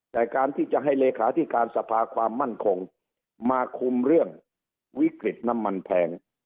แต่การที่จะให้เลขาธิการสภาความมั่นคงมาคุมเรื่องวิกฤตน้ำมันแพง